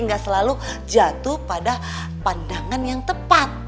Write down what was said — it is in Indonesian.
nggak selalu jatuh pada pandangan yang tepat